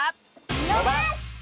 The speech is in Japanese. のばす！